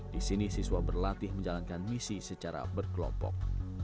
di sini siswa berlatih menjalankan misi secara berkelompok